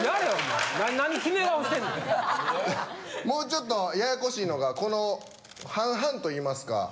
もうちょっとややこしいのがこの半々といいますか。